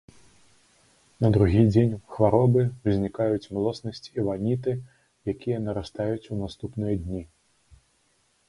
На другі дзень хваробы ўзнікаюць млоснасць і ваніты, якія нарастаюць у наступныя дні.